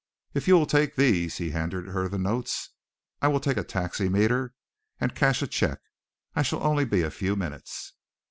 If you will take these" he handed her the notes "I will take a taximeter and cash a cheque. I shall only be a few minutes."